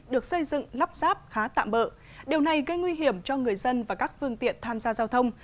được xây dựng lắp ráp khá tạm bỡ điều này gây nguy hiểm cho người dân và các phương tiện tham gia giao thông